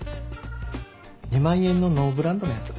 ２万円のノーブランドのやつ。